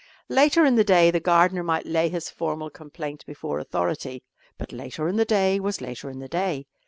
Later in the day the gardener might lay his formal complaint before authority, but later in the day was later in the day.